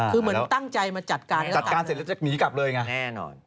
คือเหมือนตั้งใจมาจัดการจัดการเสร็จแล้วจะหนีกลับเลยไงแน่นอน